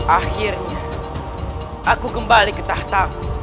akhirnya aku kembali ke tahtaku